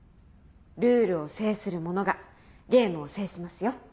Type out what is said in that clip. ルールを制する者がゲームを制しますよ